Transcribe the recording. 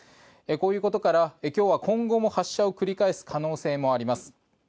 こういうことから今日は今後も発射を繰り返す可能性もあります。